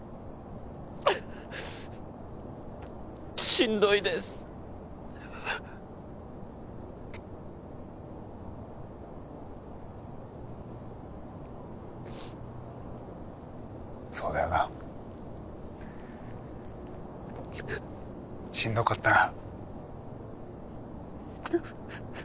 しんどいですそうだよなしんどかったな